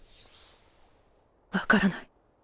わからない